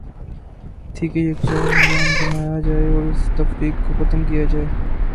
تھی کہ یکجا نظا م بنایا جائے اور اس تفریق کو ختم کیا جائے۔